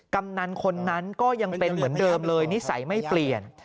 กำนันคนนั้นก็ยังเป็นเหมือนเดิมเลยนิสัยไม่เปลี่ยน